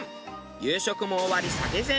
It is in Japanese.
夕食も終わり下膳。